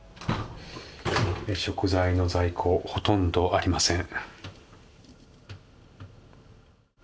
食材の在庫ほとんどありません。